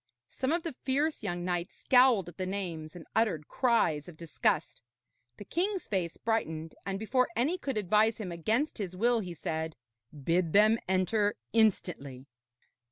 Some of the fierce young knights scowled at the names and uttered cries of disgust. The king's face brightened, and before any could advise him against his will, he said: 'Bid them enter instantly.'